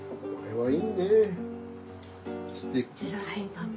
はい。